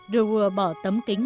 de waal bỏ tấm kính